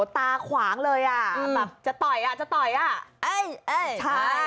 ตาขวานเลยอ่ะแบบจะต่อยอ่ะจะต่อยอ่ะ